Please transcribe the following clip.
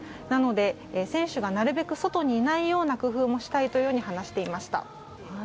なので選手がなるべく外にいないような工夫もしたいと話していました。